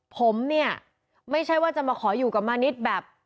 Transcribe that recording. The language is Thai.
ผมเนี่ยไม่ใช่ว่าจะมาขออยู่กับมานิดแบบ